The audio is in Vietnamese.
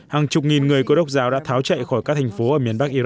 hàng chục nghìn người cơ độc giáo đã tháo chạy khỏi các thành phố ở miền bắc iraq hồi năm